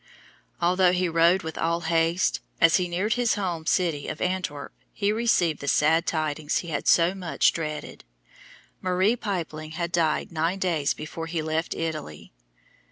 Although he rode with all haste, as he neared his home city of Antwerp, he received the sad tidings he had so much dreaded. Marie Pypeling had died nine days before he left Italy.